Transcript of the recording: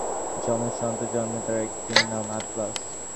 ক্লেইটোর গর্ভে পেসিডনের পাঁচটি যমজ সন্তান জন্মে, যার একটির নাম অ্যাটলাস।